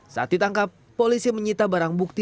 saat ditangkap polisi menyita barang bukti